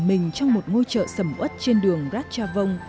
nằm ẩn mình trong một ngôi chợ sầm uất trên đường ratchavong